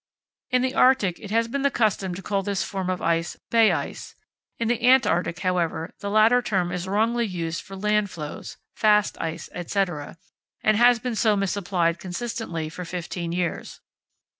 In the Arctic it has been the custom to call this form of ice "bay ice"; in the Antarctic, however, the latter term is wrongly used for land floes (fast ice, etc.), and has been so misapplied consistently for fifteen years.